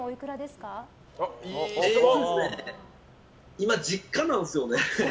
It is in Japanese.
今、実家なんすよね。